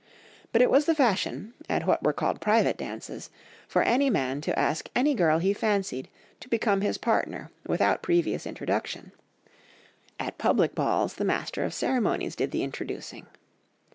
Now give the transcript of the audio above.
But it was the fashion, at what were called private dances, for any man to ask any girl he fancied to become his partner without previous introduction; at public balls the Master of the Ceremonies did the introducing.